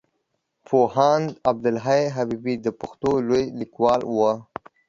پوهاند عبدالحی حبيبي د پښتو لوی ليکوال وو.